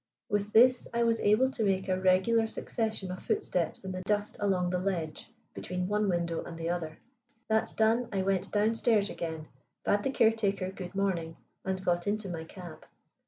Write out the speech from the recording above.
With this I was able to make a regular succession of footsteps in the dust along the ledge, between one window and the other. "That done, I went down stairs again, bade the caretaker good morning, and got into my cab.